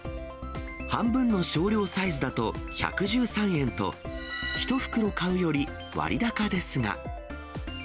半分の少量サイズだと１１３円と、１袋買うより割高ですが。